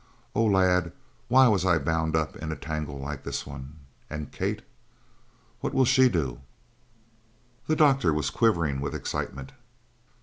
Oh, lad, why was I bound up in a tangle like this one? And Kate what will she do?" The doctor was quivering with excitement.